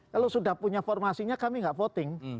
kalau sudah punya formasinya kami nggak voting